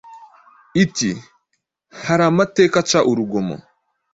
iti “hari amateka aca urugomo “.